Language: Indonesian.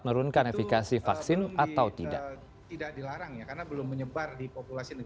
atur aturan konektifitasnya atau tidak